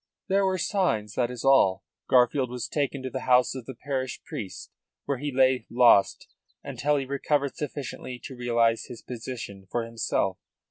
"There were signs, that is all. Garfield was taken to the house of the parish priest, where he lay lost until he recovered sufficiently to realise his position for himself.